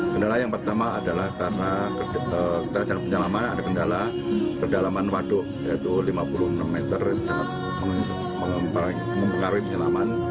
kendala yang pertama adalah karena kita dalam penyelaman ada kendala kedalaman waduk yaitu lima puluh enam meter sangat mempengaruhi penyelaman